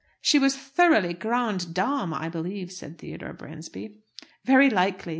"She was thoroughly grande dame, I believe," said Theodore Bransby. "Very likely.